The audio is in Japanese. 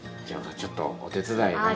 じゃあちょっとお手伝い。